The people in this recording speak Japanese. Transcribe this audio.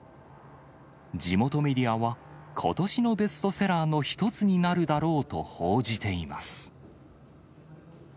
地元メディアは、ことしのベストセラーの一つになるだろうと報じています。